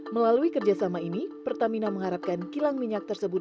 melalui kerjasama ini pertamina mengharapkan kilang minyak tersebut